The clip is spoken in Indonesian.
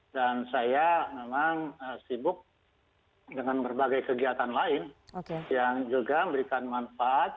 saya memang sibuk dengan berbagai kegiatan lain yang juga memberikan manfaat